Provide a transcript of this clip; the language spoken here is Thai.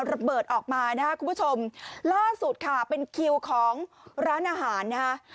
ระเบิดออกมานะครับคุณผู้ชมล่าสุดค่ะเป็นคิวของร้านอาหารนะฮะ